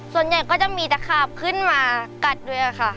ส่วนใหญ่ก็จะมีตะขาบขึ้นมากัดด้วยค่ะ